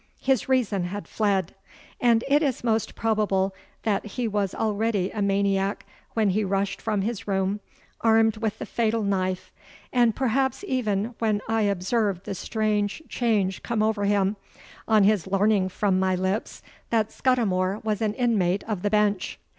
His reason had fled; and it is most probable that he was already a maniac when he rushed from his room armed with the fatal knife—and perhaps even when I observed the strange change come over him on his learning from my lips that Scudimore was an inmate of the Bench.